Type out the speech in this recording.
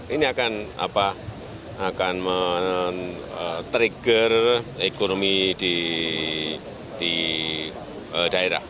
ini akan men trigger ekonomi di daerah